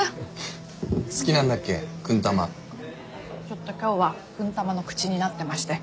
ちょっと今日はくん玉の口になってまして。